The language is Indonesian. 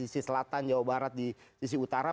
misalnya di sisi selatan jawa barat di sisi utara